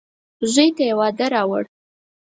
زوی ته يې واده راووړ.